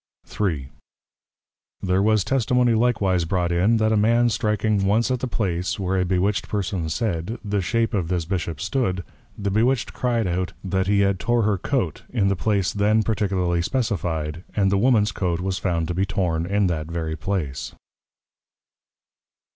_ III. There was Testimony likewise brought in, that a Man striking once at the place, where a bewitched person said, the Shape of this Bishop stood, the bewitched cried out, That he had tore her Coat, in the place then particularly specifi'd; and the Woman's Coat was found to be Torn in that very place.